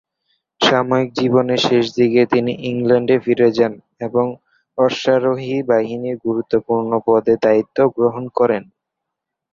সামরিক জীবনের শেষদিকে তিনি ইংল্যান্ডে ফিরে যান এবং অশ্বারোহী বাহিনীর গুরুত্বপূর্ণ পদের দায়িত্ব গ্রহণ করেন।